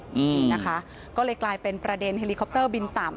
อืมนะคะก็เลยกลายเป็นประเด็นเฮลิคอปเตอร์บินต่ำ